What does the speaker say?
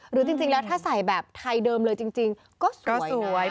หรือจริงแล้วถ้าใส่แบบไทยเดิมเลยจริงก็สวย